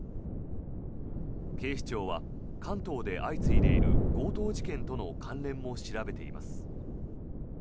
警視庁は関東で相次いでいる強盗事件との関連も調べています。